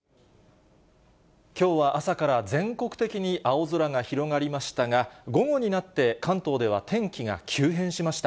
きょうは朝から全国的に青空が広がりましたが、午後になって、関東では天気が急変しました。